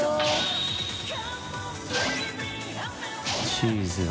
チーズ。